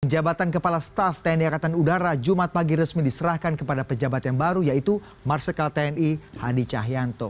jabatan kepala staff tni angkatan udara jumat pagi resmi diserahkan kepada pejabat yang baru yaitu marsikal tni hadi cahyanto